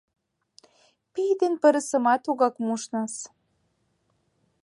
Пий ден пырысымат тугак мушнас.